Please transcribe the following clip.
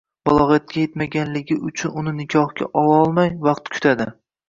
balog’atga yetmaganligi uchun uni nikohga ololmay, vaqt kutadi.